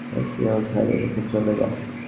ওকে ওখানে রেখে চলে যা।